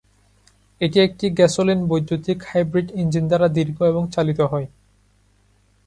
এটি একটি গ্যাসোলিন-বৈদ্যুতিক hybrid engine দ্বারা দীর্ঘ এবং চালিত হয়।